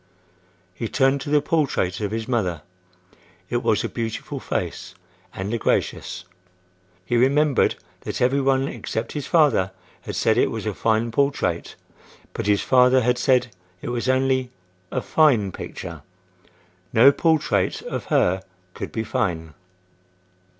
He turned to the portrait of his mother. It was a beautiful face and a gracious. He remembered that every one except his father had said it was a fine portrait, but his father had said it was, "only a fine picture; no portrait of her could be fine."